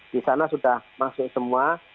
di sana sudah masuk semua